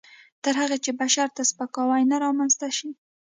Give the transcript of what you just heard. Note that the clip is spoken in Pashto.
تر هغه چې بشر ته سپکاوی نه رامنځته شي.